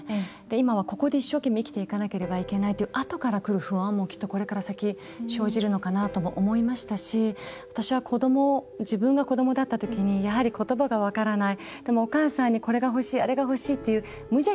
今はここで一生懸命生きていかなくてはいけないという、あとからくる不安もこれから先生じるのかなとも思いましたし私は子ども、自分が子どもだったときにことばが分からない